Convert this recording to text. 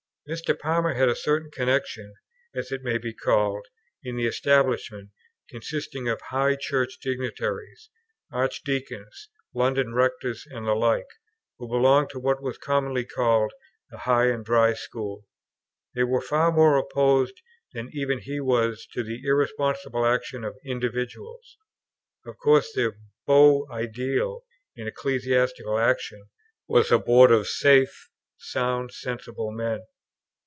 Mr. Palmer had a certain connexion, as it may be called, in the Establishment, consisting of high Church dignitaries, Archdeacons, London Rectors, and the like, who belonged to what was commonly called the high and dry school. They were far more opposed than even he was to the irresponsible action of individuals. Of course their beau idéal in ecclesiastical action was a board of safe, sound, sensible men.